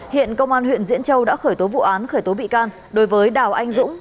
hiện công an huyện diễn châu đã khởi tố vụ án khởi tố bị can đối với đào anh dũng